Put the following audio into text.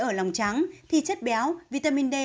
ở lòng trắng thì chất béo vitamin d